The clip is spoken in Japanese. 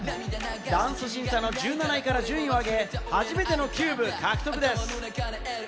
ダンス審査の１７位から順位を上げ、初めてのキューブ獲得です。